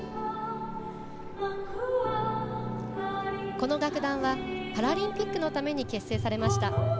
この楽団はパラリンピックのために結成されました。